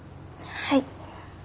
はい。